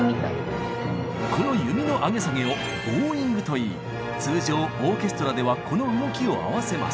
この弓の上げ下げを「ボウイング」といい通常オーケストラではこの動きを合わせます。